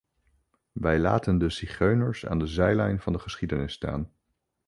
Wij laten de zigeuners aan de zijlijn van de geschiedenis staan.